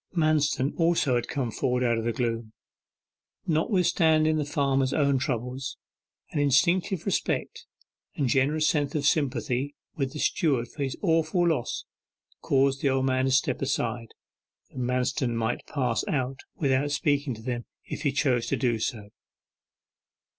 Manston also had come forward out of the gloom. Notwithstanding the farmer's own troubles, an instinctive respect and generous sense of sympathy with the steward for his awful loss caused the old man to step aside, that Manston might pass out without speaking to them if he chose to do so.